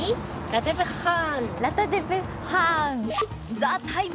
「ＴＨＥＴＩＭＥ，」